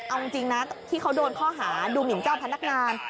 เอาจริงนะที่เขาโดนข้อหาดูหมินเจ้าพนักงาน